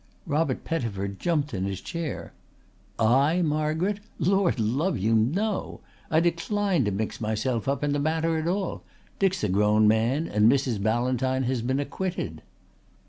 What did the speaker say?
Robert Pettifer jumped in his chair. "I, Margaret! Lord love you, no! I decline to mix myself up in the matter at all. Dick's a grown man and Mrs. Ballantyne has been acquitted."